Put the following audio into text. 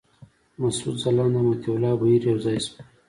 مسعود ځلاند او مطیع الله بهیر یو ځای شول.